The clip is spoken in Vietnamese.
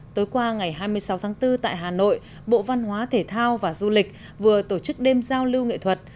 tối qua ngày hai mươi sáu tháng bốn tại hà nội bộ văn hóa thể thao và du lịch vừa tổ chức đêm giao lưu nghệ thuật